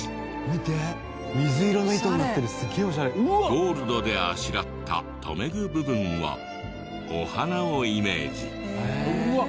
ゴールドであしらった留め具部分はお花をイメージ。